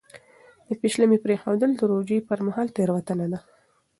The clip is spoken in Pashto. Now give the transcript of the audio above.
د پېشلمي پرېښودل د روژې پر مهال تېروتنه ده.